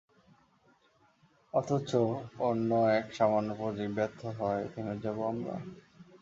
অথচ অন্য এক সামান্য প্রোজেক্ট ব্যর্থ হওয়ায় থেমে যাবো আমরা?